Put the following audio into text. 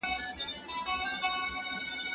دستخوان مو تل ډک اوسه.